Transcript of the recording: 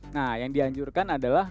nah yang dianjurkan adalah